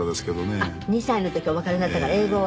あっ２歳の時お別れになったから英語は。